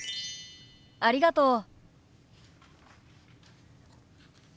ありがとう。